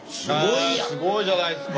へえすごいじゃないすか。